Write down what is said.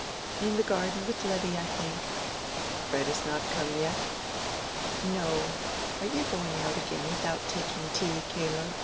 "In the garden with Letty, I think." "Fred is not come yet?" "No. Are you going out again without taking tea, Caleb?"